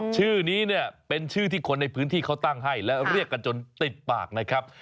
ชื่อนี้เนี่ยเป็นชื่อที่คนในพื้นที่เขาตั้งให้และเรียกกันจนติดปากนะครับ